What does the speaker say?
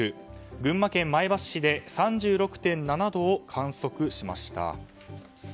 群馬県前橋市で３６．７度を観測しました。